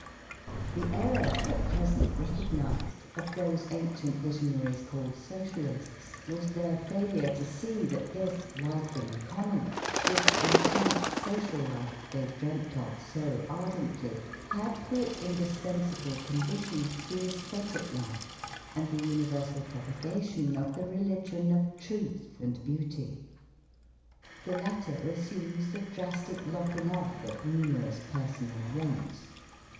The error, at present recognised, of those ancient visionaries called socialists was their failure to see that this life in common, this intense social life, they dreamt of so ardently, had for its indispensable condition the æsthetic life and the universal propagation of the religion of truth and beauty. The latter assumes the drastic lopping off of numerous personal wants.